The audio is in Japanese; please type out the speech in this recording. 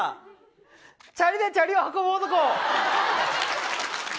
チャリでチャリを運ぶ男。